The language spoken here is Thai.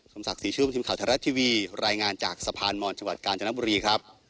สมศักดิ์สีชุมทีมข่าวทะเลททีวีรายงานจากสะพานมรชาวัดกาญจนบุรีครับ